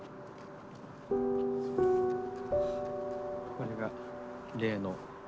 これが例の。